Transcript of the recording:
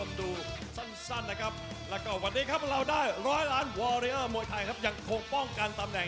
สุส่งมากกว่า